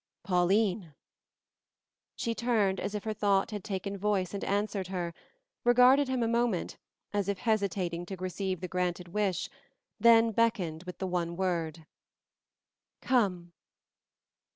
"Pauline!" She turned as if her thought had taken voice and answered her, regarded him a moment, as if hesitating to receive the granted wish, then beckoned with the one word. "Come!"